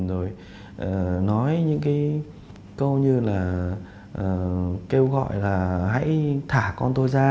rồi nói những cái câu như là kêu gọi là hãy thả con tôi ra